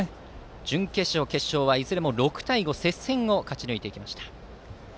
準決勝、決勝はいずれも６対５で接戦を勝ち抜いてきました。